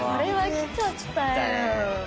来ちゃったね。